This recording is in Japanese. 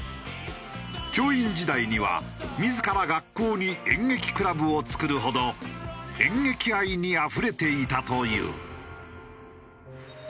教員時代には自ら学校に演劇クラブを作るほど演劇愛にあふれていたという。